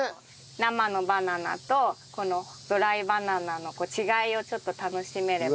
生のバナナとこのドライバナナの違いをちょっと楽しめればと。